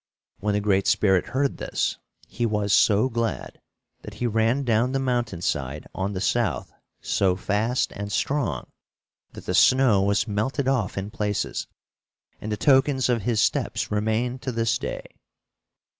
When the Great Spirit heard this, he was so glad that he ran down the mountain side on the south so fast and strong that the snow was melted off in places, and the tokens of his steps remain to this day.